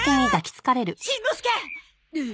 しんのすけ！